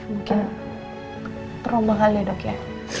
mungkin trauma kali ya dok ya